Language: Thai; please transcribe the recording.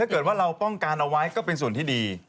ถ้าเกิดว่าเราป้องกันเอาไว้ก็เป็นส่วนที่ดี